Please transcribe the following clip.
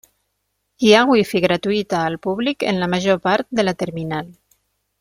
Hi ha Wi-Fi gratuïta al públic en la major part de la terminal.